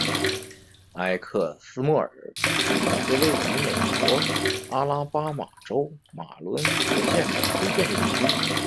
埃克斯莫尔是一个位于美国阿拉巴马州马伦戈县的非建制地区。